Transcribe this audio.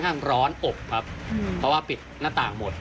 ร้อนอบครับเพราะว่าปิดหน้าต่างหมด